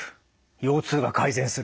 腰痛が改善する。